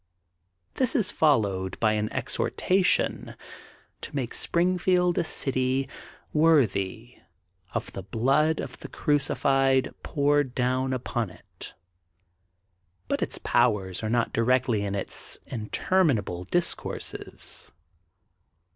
This is followed by an exhortaition to make Springfield a city worthy of the blood of the crucified poured down upon it.'* But its powers are not directly in its inter minable discourses.